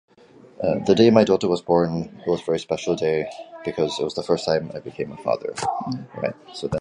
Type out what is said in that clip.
The day my daughter was born was a very special day because that was the first time I became a father.